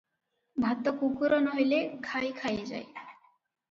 ଭାତ କୁକୁର ନୋହିଲେ ଘାଈ ଖାଇଯାଏ ।